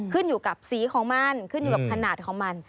ขึ้นอยู่กับสีของมันขึ้นอยู่กับขนาดของมัน